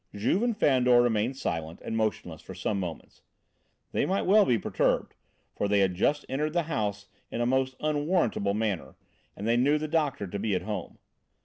Juve and Fandor remained silent and motionless for some moments. They might well be perturbed, for they had just entered the house in the most unwarrantable manner, and they knew the doctor to be at home.